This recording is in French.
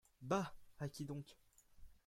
Bah ! à qui donc ?